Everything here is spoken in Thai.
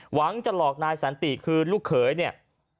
หวังจะหลอกนายสันติคือลูกเขยเนี่ย